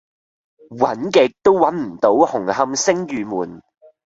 搵極都搵唔到紅磡昇御門